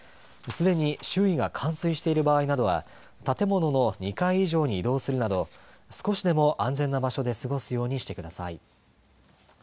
すでに周囲が冠水している場合などは建物の２階以上に移動するなど少しでも安全な場所で過ごすようにしてください。